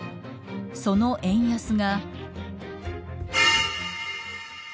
その円安が。